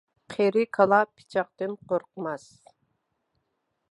قېرى كالا پىچاقتىن قورقماس.